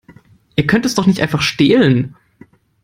Ihr könnt es doch nicht einfach stehlen!